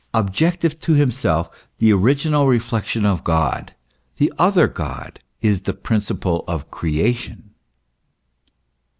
81 objective to himself, the original reflection of God, the other God, is the principle of Creation.